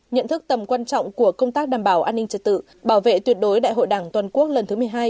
nhận thức tầm quan trọng của công tác đảm bảo an ninh trật tự bảo vệ tuyệt đối đại hội đảng toàn quốc lần thứ một mươi hai